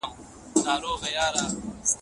که بدن پاک وي نو روح نه ناارامه کیږي.